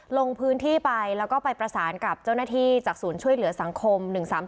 ลงพื้นที่ไปแล้วก็ไปประสานกับเจ้าหน้าที่จากศูนย์ช่วยเหลือสังคม๑๓๓